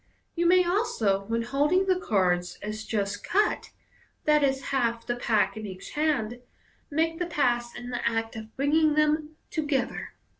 You may also, when holding the cards as just cut (i.e., half the pack in each hand), make the pass in the act of bringing them together.